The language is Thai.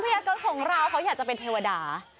ยากรของเราเขาอยากจะเป็นเทวดา